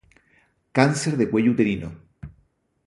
Cáncer de cuello uterino